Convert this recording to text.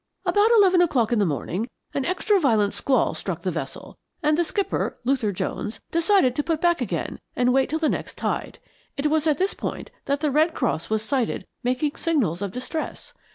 About eleven o'clock in the morning an extra violent squall struck the vessel, and the skipper, Luther Jones, decided to put back again and wait till the next tide. It was at this point that the Red Cross was sighted making signals of distress.